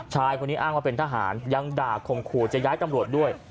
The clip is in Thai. ชายคนนี้อ้างว่าเป็นทหารยังด่าข่มขู่จะย้ายตำรวจด้วย